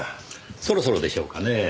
そろそろでしょうかねぇ。